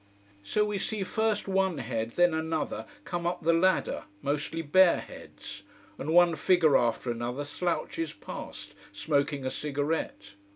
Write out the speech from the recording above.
So we see first one head then another come up the ladder mostly bare heads: and one figure after another slouches past, smoking a cigarette.